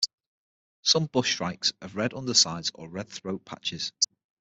Some bush shrikes have red undersides or red throat-patches.